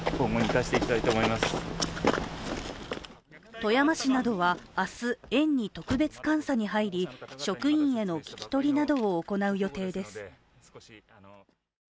富山市などは明日、園に特別監査に入り職員への聞き取りなどを行う予定です。